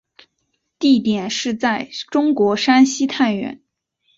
地点是在中国山西太原。